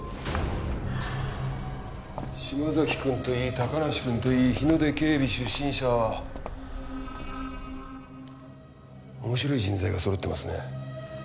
島崎くんといい高梨くんといい日ノ出警備出身者は面白い人材がそろってますね。